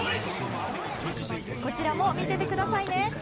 こちらも見ていてくださいね。